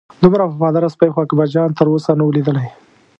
دومره وفاداره سپی خو اکبرجان تر اوسه نه و لیدلی.